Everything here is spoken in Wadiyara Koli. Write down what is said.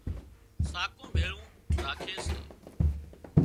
ساڪو ڀيۯون راکي سي